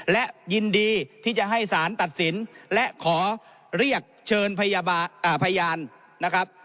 และยินดีที่จะให้สารตัดสินและขอเรียกเชิญพยานนะครับ